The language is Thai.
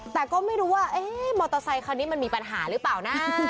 แต่ก็ไม่รู้ว่ามอเตอร์ไซคันนี้มันมีปัญหาหรือเปล่านะ